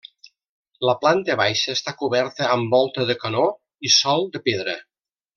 La planta baixa està coberta amb volta de canó i sòl de pedra.